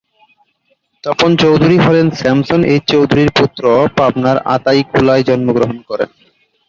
তপন চৌধুরী হলেন Samson H চৌধুরীর পুত্র পাবনার আতাইকুলায় জন্মগ্রহণ করেন।